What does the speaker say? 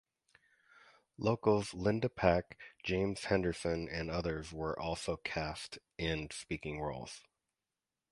Locals Linda Pack, James Henderson and others were also cast in speaking roles.